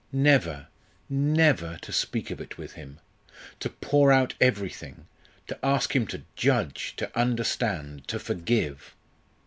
Never never to speak of it with him! to pour out everything to ask him to judge, to understand, to forgive!